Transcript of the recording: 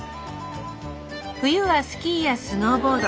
冬はスキーやスノーボード。